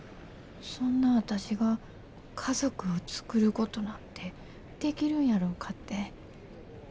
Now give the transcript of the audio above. そんな私が家族を作ることなんてできるんやろうかって。